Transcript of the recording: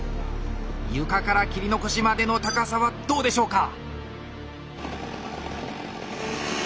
床から切り残しまでの高さはどうでしょうか？